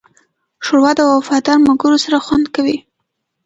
ښوروا د وفادار ملګرو سره خوند کوي.